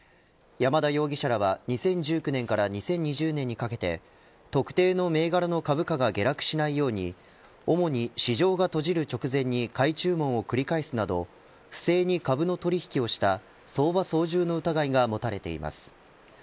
山田容疑者らは２０１９年から２０２０年にかけて特定の銘柄の株価が下落しないように主に市場が閉じる直前に買い注文を繰り返すなど不正に株の取引をした相場操縦の疑いが持たれています。